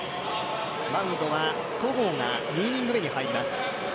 マウンドは戸郷が２イニング目に入ります。